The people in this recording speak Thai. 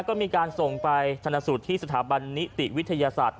ก็มีการส่งไปชนะสูตรที่สถาบันนิติวิทยาศาสตร์